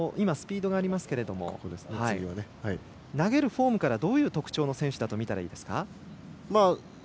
彼、スピードありますけど投げるフォームからどういう特徴の選手だと見たらいいですか。